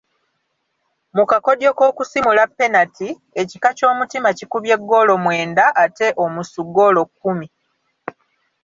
Mu kakodyo k'okusimula penati, ekika ky'Omutima kikubye ggoolo mwenda ate Omusu ggoolo kkumi.